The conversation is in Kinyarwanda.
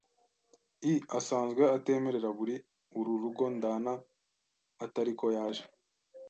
i asanzwe atemerera muri uru rugo ndana atari ko yaje